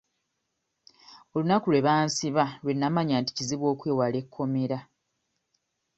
Olunaku lwe bansiba lwe namanya nti kizibu okwewala ekkomera.